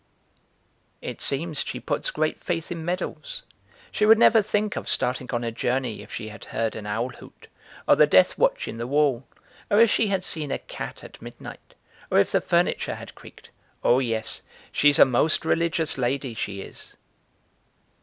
"It seems, she puts great faith in medals. She would never think of starting on a journey if she had heard an owl hoot, or the death watch in the wall, or if she had seen a cat at midnight, or if the furniture had creaked. Oh yes! she's a most religious lady, she is!"